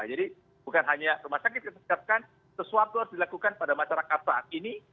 jadi bukan hanya rumah sakit disediakan sesuatu harus dilakukan pada masyarakat saat ini